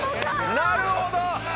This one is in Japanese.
なるほど。